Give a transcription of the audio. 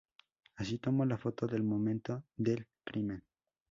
Así tomó la foto del momento del crimen.